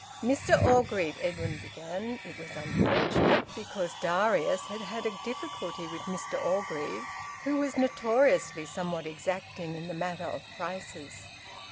"Mr Orgreave " Edwin began. It was unfortunate, because Darius had had a difficulty with Mr Orgreave, who was notoriously somewhat exacting in the matter of prices.